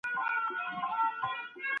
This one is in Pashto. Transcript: سياست پوهنه د پوهانو ترمنځ د بحث موضوع ده.